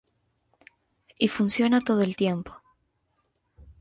Y funciona todo el tiempo".